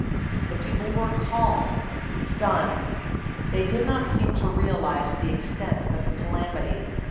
The people were calm, stunned. They did not seem to realize the extent of the calamity.